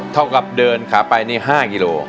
ถ้ากลับเดินขาไป๕กิโลค่ะ